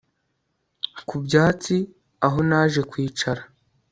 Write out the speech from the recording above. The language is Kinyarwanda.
ku byatsi aho naje kwicara